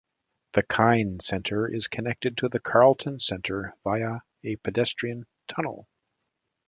The Kine Centre is connected to the Carlton Centre via a pedestrian tunnel.